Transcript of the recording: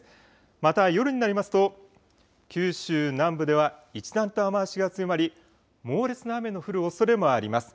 また夜になりますと九州南部では一段と雨足が強まり猛烈な雨の降るおそれもあります。